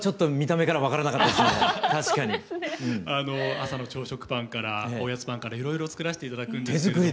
朝の朝食パンからおやつパンからいろいろ作らして頂くんですけれども。